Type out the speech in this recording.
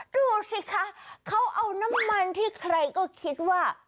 ดูสิคะเขาเอาน้ำมันที่ใครก็คิดว่า